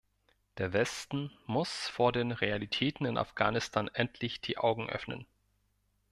Der Westen muss vor den Realitäten in Afghanistan endlich die Augen öffnen.